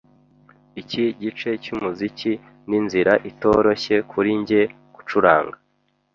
Iki gice cyumuziki ninzira itoroshye kuri njye gucuranga.